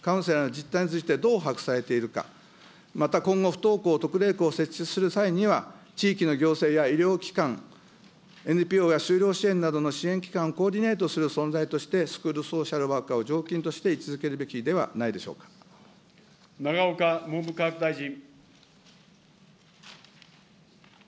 文科省ではスクールソーシャルワーカーやスクールカウンセラーの実態についてどう把握されているか、また今後、不登校特例校を設置する際には、地域の行政や医療機関、ＮＰＯや就労支援等の支援機関をコーディネートする存在として、スクールソーシャルワーカーを常勤として位置づけるべきで永岡文部科学大臣。